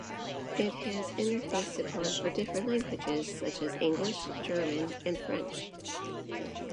It has interface support for different languages, such as English, German and French.